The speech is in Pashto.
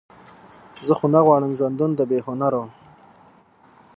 زه خو نه غواړم ژوندون د بې هنبرو.